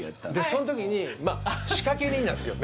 その時に仕掛け人なんですよ